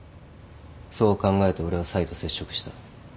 そう考えて俺はサイと接触した。